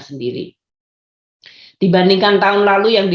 sendiri dibandingkan tahun lalu yang di